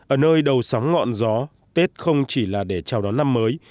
ở nơi đầu sóng ngọn gió tết không chỉ là để chào đón năm mới